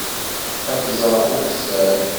Ad k-ẓreɣ ukessar.